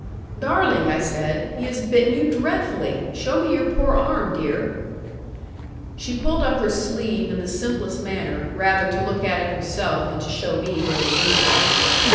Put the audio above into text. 'Darling,' I said; 'he has bitten you dreadfully: show me your poor arm, dear.' She pulled up her sleeve in the simplest manner, rather to look at it herself, than to show me where the wound was.